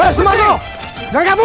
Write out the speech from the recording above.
hei sumarno jangan gabung